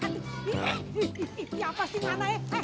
eh eh eh eh apa sih ngana eh